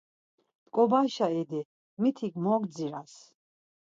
T̆ǩobaşa idi, mitik mo gdziras.